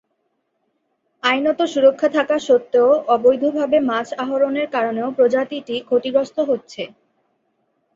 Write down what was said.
আইনত সুরক্ষা থাকা সত্ত্বেও অবৈধভাবে মাছ আহরণের কারণেও প্রজাতিটি ক্ষতিগ্রস্ত হচ্ছে।